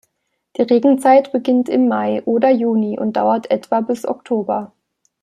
Die Regenzeit beginnt im Mai oder Juni und dauert etwa bis Oktober.